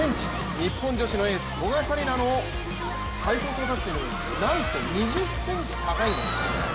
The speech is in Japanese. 日本女子のエース、古賀紗理那の最高到達点よりもなんと２０ｃｍ高いんですね。